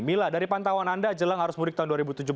mila dari pantauan anda jelang arus mudik tahun dua ribu tujuh belas